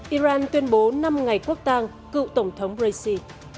iran tuyên bố năm ngày quốc tàng cựu tổng thống brexi